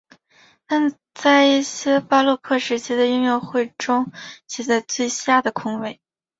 但在一些巴洛克时期的音乐中会写在最下的空位。